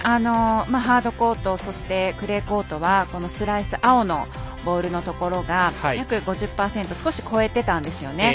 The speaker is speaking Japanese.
ハードコートクレーコートはスライス青のボールのところが約５０％少し超えていたんですよね。